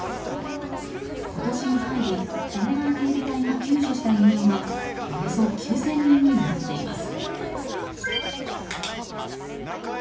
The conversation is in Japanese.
今年に入り沿岸警備隊が救助した移民はおよそ９０００人に上っています。